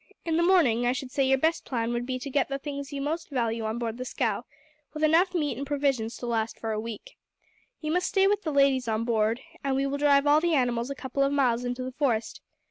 In the morning, I should say your best plan would be to get the things you most value on board the scow, with enough meat and provisions to last for a week. You must stay with the ladies on board, and we will drive all the animals a couple of miles into the forest.